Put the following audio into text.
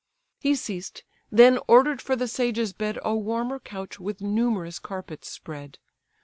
He ceased; then order'd for the sage's bed A warmer couch with numerous carpets spread.